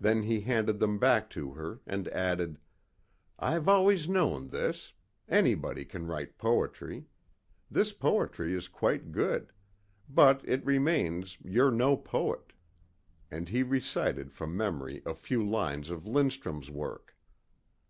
Then he handed them back to her and added, "I've always known this. Anybody can write poetry. This poetry is quite good. But it remains, you're no poet." And he recited from memory a few lines of Lindstrum's work.